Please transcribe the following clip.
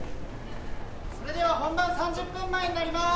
それでは本番３０分前になりまーす！